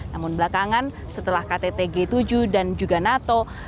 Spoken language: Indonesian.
namun belakangan setelah ktt g tujuh dan juga nato